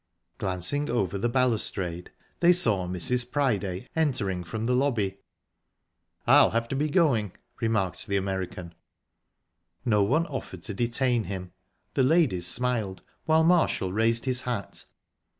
Glancing over the balustrade, they saw Mrs. Priday entering from the lobby. "I'll have to be going," remarked the American. No one offered to detain him; the ladies smiled, while Marshall raised his hat.